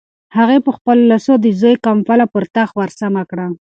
هغې په خپلو لاسو د زوی کمپله پر تخت ورسمه کړه.